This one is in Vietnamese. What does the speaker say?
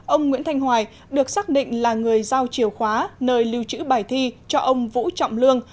ông nguyễn thanh hoài được xác định là người giao chìa khóa nơi lưu trữ bài thi cho ông vũ trọng lương